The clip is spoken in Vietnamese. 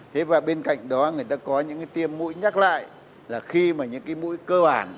thế và bên cạnh đó người ta có những cái tiêm mũi nhắc lại là khi mà những cái mũi cơ bản